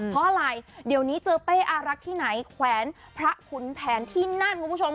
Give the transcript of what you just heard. เพราะอะไรเดี๋ยวนี้เจอเป้อารักษ์ที่ไหนแขวนพระขุนแผนที่นั่นคุณผู้ชม